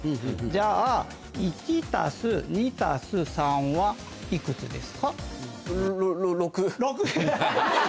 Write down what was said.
じゃあ１＋２＋３はいくつですか？